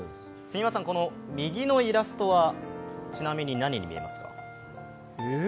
右のイラストはちなみに何に見えますか？